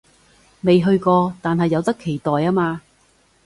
未去過，但係有得期待吖嘛